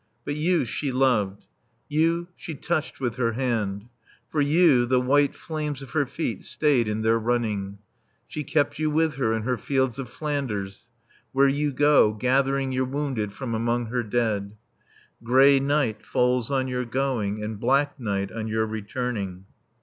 But you she loved; You she touched with her hand; For you the white flames of her feet stayed in their running; She kept you with her in her fields of Flanders, Where you go, Gathering your wounded from among her dead. Grey night falls on your going and black night on your returning.